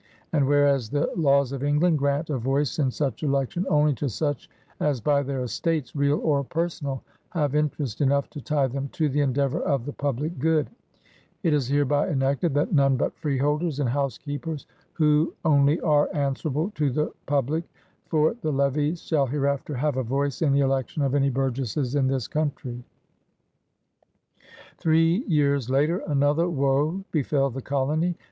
And whereas the lawes of England grant a voyce in such election only to such as by their estates real or personall have interest enough to tye them to the endeavour of the publique good; It is her Ay enacted^ that none but freeholders and housekeepers who only are answerable to the publique for the levies shall hereafter have a voice in the election of any burgesses in this country/ Three years later another woe befell the colony.